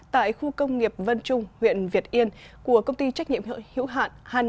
tại khu công nghiệp vân trung huyện việt yên của công ty trách nhiệm hữu hạn hanna micron vina hàn quốc